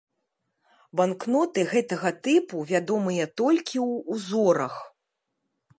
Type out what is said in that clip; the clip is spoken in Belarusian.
Банкноты гэтага тыпу вядомыя толькі ў узорах.